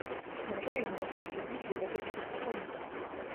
Няўжо яны настолькі звыклі да гэтай безвыходнасці?